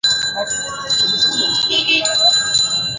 আপনি সাইকোলজিস্ট নাকি?